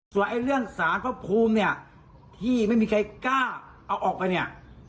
ส่วนเรื่องสารของภูมิที่ไม่มีใครกล้าเอาออกไป